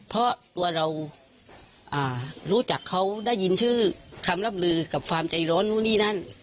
เพราะตัวเรารู้จักเขาได้ยินชื่อคำรับลือกับความใจร้อนนู่นนี่นั่น